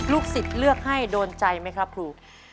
สิทธิ์เลือกให้โดนใจไหมครับครู